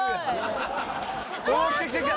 おっ来た来た来た！